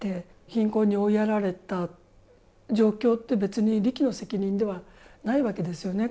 貧困に追いやられた状況って別にリキの責任ではないわけですよね。